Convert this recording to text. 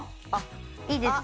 いいですか？